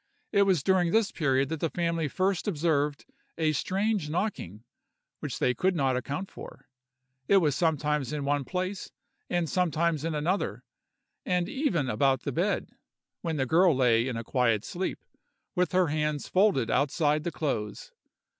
It was during this period that the family first observed a strange knocking, which they could not account for. It was sometimes in one place, and sometimes in another; and even about the bed, when the girl lay in a quiet sleep, with her hands folded outside the clothes.